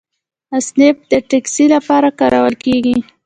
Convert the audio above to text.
اسنپ د ټکسي لپاره کارول کیږي.